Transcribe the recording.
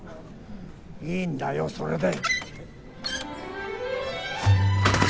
いいんだよそれで。